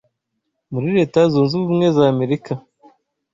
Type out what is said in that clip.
muri Leta Zunze Ubumwe za Amerika